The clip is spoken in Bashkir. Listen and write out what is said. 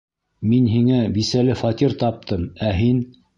Мин һиңә бисәле фатир таптым, ә һин...